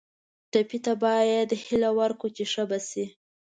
ټپي ته باید هیله ورکړو چې ښه به شي.